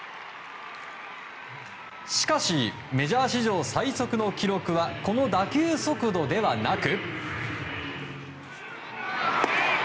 しかしメジャー史上最速の記録はこの打球速度ではなく。